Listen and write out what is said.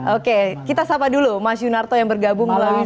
oke kita sapa dulu mas yunarto yang bergabung melalui zoo